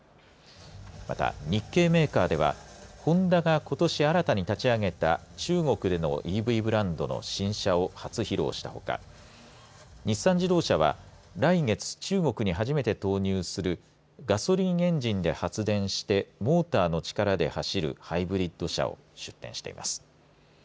また日系メーカーではホンダがことし新たに立ち上げた中国のＥＶブランドの新車を初披露したほか日産自動車は来月中国に初めて投入するガソリンエンジンで発電して、モーターの力で走るハイブリッド車を出展しています。